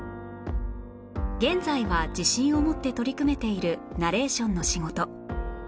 現在は自信を持って取り組めているナレーションの仕事